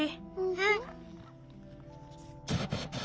うん。